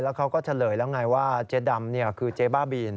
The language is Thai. แล้วเขาก็เทะเลยแล้วไงว่าเจ๊ดำเนี่ยคือเจ๊ม่าบีน